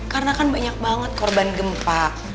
karena kan banyak banget korban gempa